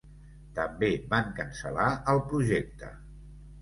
També van cancel·lar el projecte.